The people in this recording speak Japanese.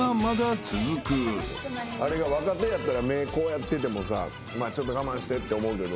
あれが若手やったら目こうやっててもさちょっと我慢してって思うけど。